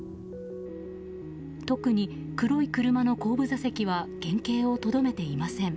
特に黒い車の後部座席は原形をとどめていません。